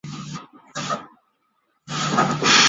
曾任澳大利亚卧龙岗大学荣誉研究员。